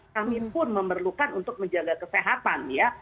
kami pun memerlukan untuk menjaga kesehatan ya